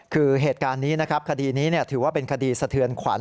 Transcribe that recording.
คือเหตุการณ์นี้นะครับคดีนี้ถือว่าเป็นคดีสะเทือนขวัญ